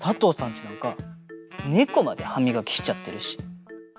ちなんかねこまではみがきしちゃってるし。